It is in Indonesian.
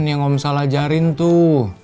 yang om sal ajarin tuh